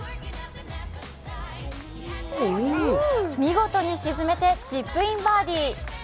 見事に沈めて、チップインバーディー。